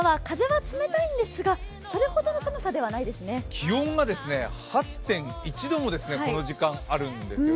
気温が８．１度もこの時間あるんですよね。